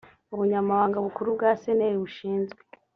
ubunyamabanga bukuru bwa sner bushinzwe